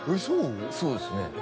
そうですね